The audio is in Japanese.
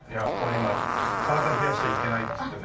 今「体冷やしちゃいけない」って言ってね